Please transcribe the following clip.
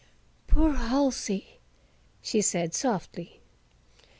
"Poor Halsey!" she said softly.